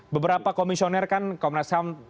beberapa komisioner kan komnas ham